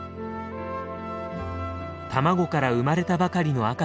卵から生まれたばかりの赤ちゃんです。